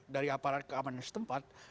dari aparat keamanan setempat